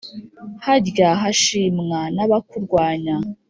harya hashimwa n'abakurwanya